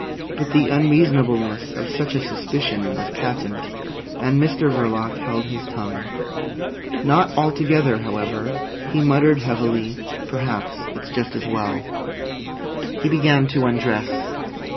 But the unreasonableness of such a suspicion was patent, and Mr Verloc held his tongue. Not altogether, however. He muttered heavily: "Perhaps it's just as well." He began to undress.